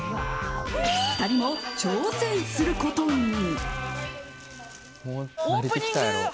２人も挑戦することに。